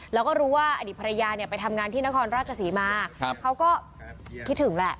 แล้วก็รู้ว่าอดีตภรรยาเนี่ยไปทำงานที่นครราชศรีมาเขาก็คิดถึงแหละ